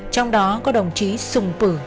trong đó có đồng chí sùng pử